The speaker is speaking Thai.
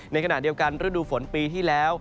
ในขณะเดียวกันฤดูฝนปีที่แล้ว